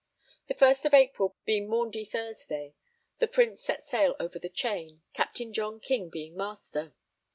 The 1st of April, being Maundy Thursday, the Prince set sail over the chain, Captain John King being master.